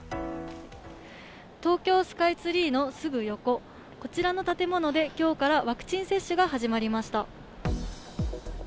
東京スカイツリーのすぐ横こちらの建物で今日からワクチン接種が始まりました。